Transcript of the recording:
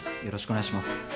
よろしくお願いします。